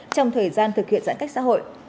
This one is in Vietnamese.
trong thời gian thực hiện giãn cách xã hội